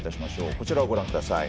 こちらをご覧ください。